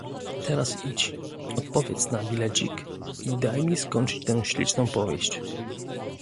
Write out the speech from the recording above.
"Teraz idź, odpowiedz na bilecik, i daj mi skończyć tę śliczną powieść."